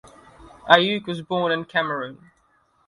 Ayuk was born in Cameroon.